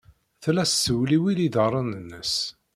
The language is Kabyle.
Tella tessewliwil iḍarren-nnes.